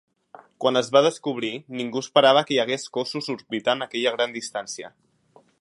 Quan es va descobrir ningú esperava que hi hagués cossos orbitant a aquella gran distància.